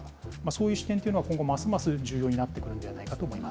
そういう視点というのは、今後ますます重要になってくるんではな